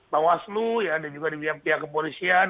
pak waslu ya ada juga pihak kepolisian